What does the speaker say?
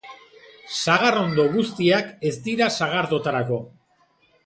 Sagarrondo guztiak ez dira sagardotarako.